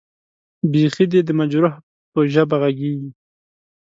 بېخي دې د مجروح به ژبه غږېږې.